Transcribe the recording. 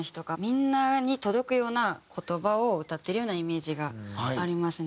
みんなに届くような言葉を歌ってるようなイメージがありますね。